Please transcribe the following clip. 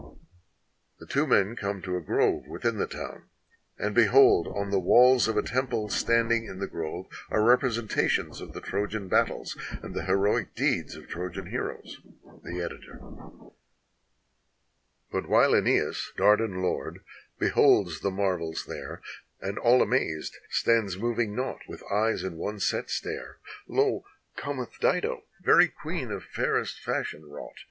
[The two men come to a grove within the town; and be hold, on the walls of a temple standing in the grove are rep resentations of the Trojan battles and the heroic deeds of Trojan heroes. The Editor.] 269 NORTHERN AFRICA But while itEneas, Dardan lord, beholds the marvels there, And, all amazed, stands moving nought with eyes in one set stare, Lo Cometh Dido, very queen of fairest fashion wrought.